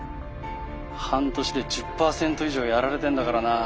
半年で１０％以上やられてんだからな。